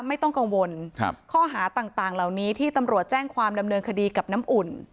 ไม่ต้องกังวลข้อหาต่างเหล่านี้ที่ตำรวจแจ้งความดำเนินคดีกับน้ำอุ่น